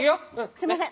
すいません。